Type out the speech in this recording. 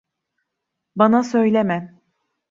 Bana söyleme.